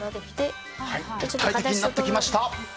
立体的になってきました。